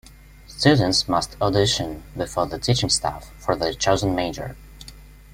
Students must audition before the teaching staff for their chosen major.